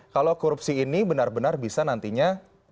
kalau korupsi ini benar benar bisa nantinya